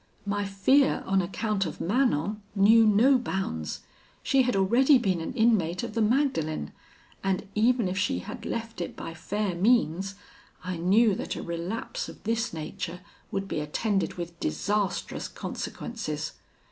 My fear, on account of Manon, knew no bounds. She had already been an inmate of the Magdalen; and even if she had left it by fair means, I knew that a relapse of this nature would be attended with disastrous consequences.